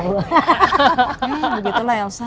ya begitu lah elsa